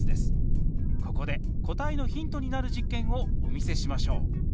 ここで答えのヒントになる実験をお見せしましょう。